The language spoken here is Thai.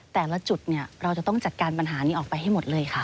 แต่ละจุดเนี่ยเราจะต้องจัดการปัญหานี้ออกไปให้หมดเลยค่ะ